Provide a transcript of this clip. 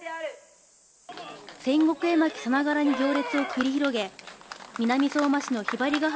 戦国絵巻さながらに行列を繰り広げ、南相馬市の雲雀ヶ